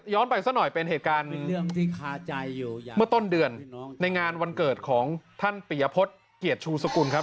ไปซะหน่อยเป็นเหตุการณ์เมื่อต้นเดือนในงานวันเกิดของท่านปิยพฤษเกียรติชูสกุลครับ